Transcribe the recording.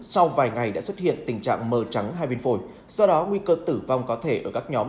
sau vài ngày đã xuất hiện tình trạng mờ trắng hai bên phổi do đó nguy cơ tử vong có thể ở các nhóm